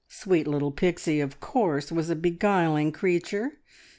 Sweet little Pixie, of course, was a beguiling creature.